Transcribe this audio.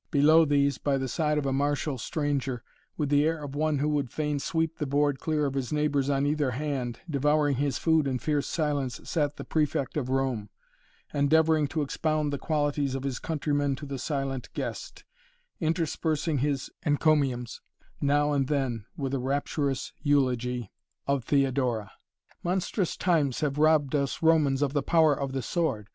Below these, by the side of a martial stranger with the air of one who would fain sweep the board clear of his neighbors on either hand, devouring his food in fierce silence, sat the Prefect of Rome, endeavoring to expound the qualities of his countrymen to the silent guest, interspersing his encomiums now and then with a rapturous eulogy of Theodora. "Monstrous times have robbed us Romans of the power of the sword.